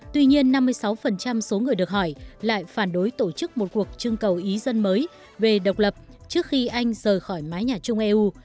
tuy nhiên năm mươi sáu số người được hỏi lại phản đối tổ chức một cuộc trưng cầu ý dân mới về độc lập trước khi anh rời khỏi mái nhà chung eu